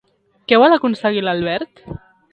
Què vol aconseguir l'Albert?